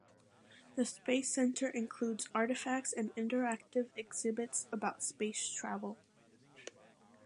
The space center includes artifacts and interactive exhibits about space travel.